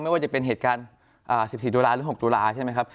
ไม่ว่าจะเป็นเหตุการณ์๑๔ตุลาหรือ๖ตุลาใช่ไหมครับ